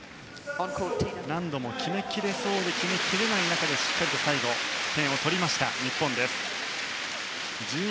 何度も決めきれそうで決めきれない中でしっかり最後、点を取った日本。